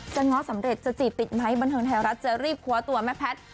ง้อสำเร็จจะจีบติดไหมบันเทิงไทยรัฐจะรีบคว้าตัวแม่แพทย์